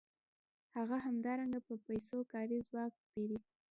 هغه همدارنګه په پیسو کاري ځواک پېري